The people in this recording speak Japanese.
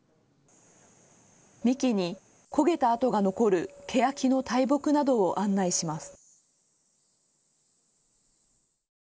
幹に焦げた跡が残るけやきの大木などを案内します。